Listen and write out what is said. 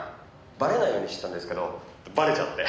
「バレないようにしてたんですけどバレちゃって。